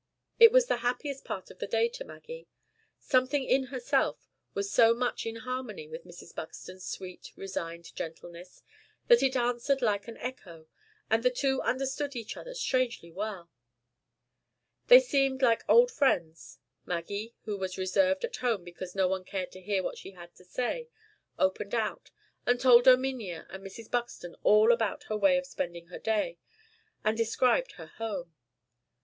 It was the happiest part of the day to Maggie. Something in herself was so much in harmony with Mrs. Buxton's sweet, resigned gentleness, that it answered like an echo, and the two understood each other strangely well. They seemed like old friends, Maggie, who was reserved at home because no one cared to hear what she had to say, opened out, and told Erminia and Mrs. Buxton all about her way of spending her day, and described her home.